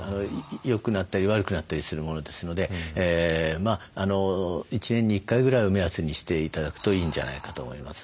よくなったり悪くなったりするものですので１年に１回ぐらいを目安にして頂くといいんじゃないかと思います。